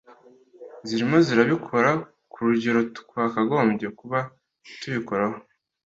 zirimo zirabikora ku rugero twakagombye kuba tubikoraho